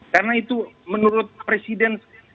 karena itu menurut presiden